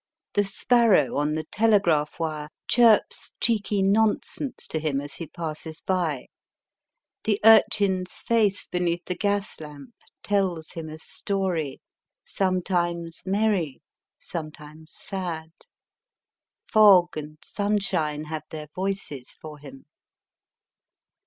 The sparrow on the telegraph wire chirps cheeky nonsense to him as he passes by. The urchin s face beneath the gas lamp telis him a story, sometimes merry, sometimes sad. Fog and sunshine have their voices for him.